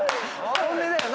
本音だよな。